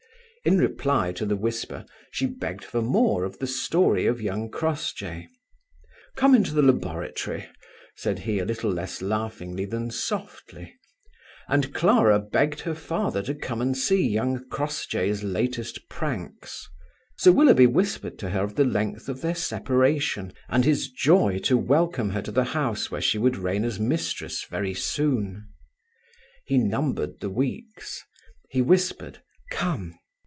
In reply to the whisper, she begged for more of the story of young Crossjay. "Come into the laboratory," said he, a little less laughingly than softly; and Clara begged her father to come and see young Crossjay's latest pranks. Sir Willoughby whispered to her of the length of their separation, and his joy to welcome her to the house where she would reign as mistress very won. He numbered the weeks. He whispered: "Come."